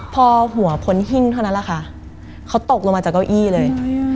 พอหัวพ้นหิ้งเท่านั้นแหละค่ะเขาตกลงมาจากเก้าอี้เลย